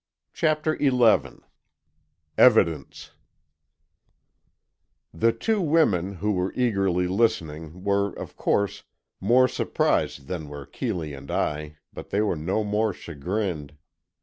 CHAPTER XI EVIDENCE The two women, who were eagerly listening, were, of course, more surprised than were Keeley and I, but they were no more chagrined.